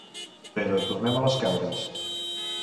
Però tornem a les cabres.